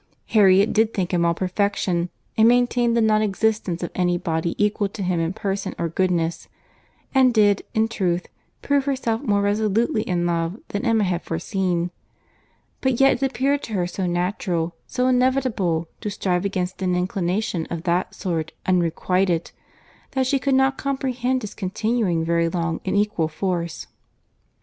Harriet did think him all perfection, and maintained the non existence of any body equal to him in person or goodness—and did, in truth, prove herself more resolutely in love than Emma had foreseen; but yet it appeared to her so natural, so inevitable to strive against an inclination of that sort unrequited, that she could not comprehend its continuing very long in equal force.